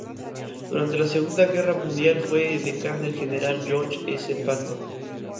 Durante la Segunda Guerra Mundial fue edecán del general George S. Patton.